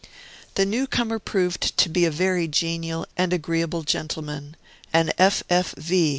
The newcomer proved to be a very genial and agreeable gentleman, an F. F. V.